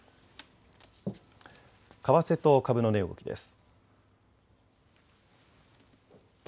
為替と株の値動きです。